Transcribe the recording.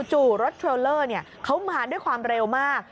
รถเทรลเลอร์เขามาด้วยความเร็วมาก